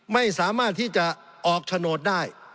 ไม่สามารถที่จะออกโฉนดได้